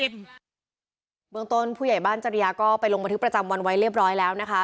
เบื้องต้นผู้ใหญ่บ้านจริยาก็ไปลงบันทึกประจำวันไว้เรียบร้อยแล้วนะคะ